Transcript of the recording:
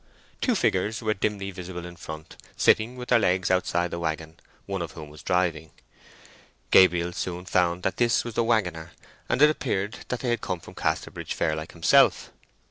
Two figures were dimly visible in front, sitting with their legs outside the waggon, one of whom was driving. Gabriel soon found that this was the waggoner, and it appeared they had come from Casterbridge fair, like himself.